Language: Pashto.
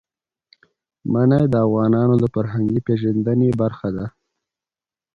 منی د افغانانو د فرهنګي پیژندنې برخه ده.